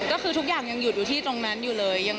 ก็คือทุกอย่างยังหยุดอยู่ที่ตรงนั้นอยู่เลย